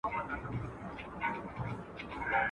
o برگ سپى د چغال ورور دئ.